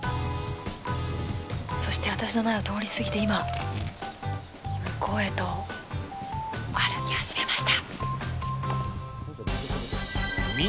そして私の前を通り過ぎて今、向こうへと歩き始めました。